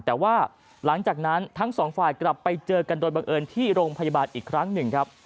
แต่ว่าหลังจากนั้นทั้งสองฝ่ายกลับไปเจอกันโดยบังเอิญที่โรงพยาบาลอีกครั้งหนึ่งครับ